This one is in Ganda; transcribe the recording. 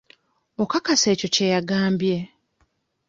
Okakasa ekyo kye yagambye?